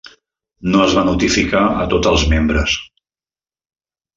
No es va notificar a tots els membres.